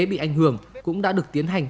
bị ảnh hưởng cũng đã được tiến hành